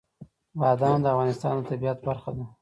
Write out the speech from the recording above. بادام د افغانستان د طبیعت برخه ده.